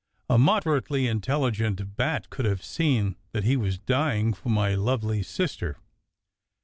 A moderately intelligent bat could have seen that he was dying for my lovely sister.